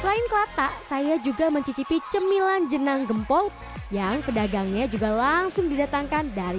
selain kelatak saya juga mencicipi cemilan jenang gempol yang pedagangnya juga langsung didatangkan dari